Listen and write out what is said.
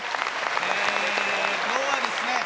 今日はですね